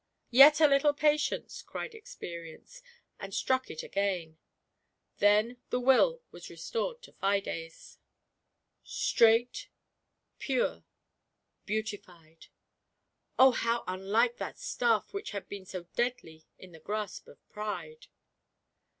" Yet a little patience," cried Experience, and struck it again. Then the Will was restored to Fides — GIANT PEIDE. 161 straight, pure, beautified ; oh, how unlike that staiT which had been so deadly in the grasp of Pride